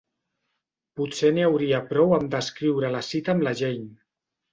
Potser n'hi hauria prou amb descriure la cita amb la Jane.